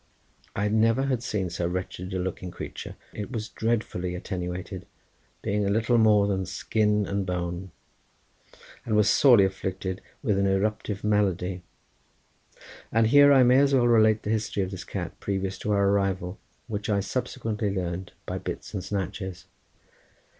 I never had seen so wretched a looking creature. It was dreadfully attenuated, being little more than skin and bone, and was sorely afflicted with an eruptive malady. And here I may as well relate the history of this cat previous to our arrival, which I subsequently learned by bits and snatches.